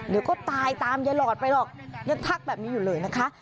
เดี๋ยวก็ตายตามยายหลอดไปหรอกยังทักแบบนี้อยู่เลยนะคะ